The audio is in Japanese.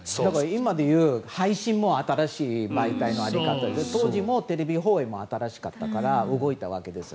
今で言う配信も新しい媒体の在り方で当時もテレビ放映も新しかったから動いたわけですが。